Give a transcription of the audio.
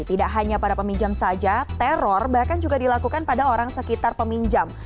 tidak hanya pada peminjam saja teror bahkan juga dilakukan pada orang sekitar peminjam